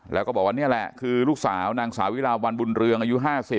แล้วก็บอกว่านี่แหละคือลูกสาวนางสาวิลาวันบุญเรืองอายุ๕๐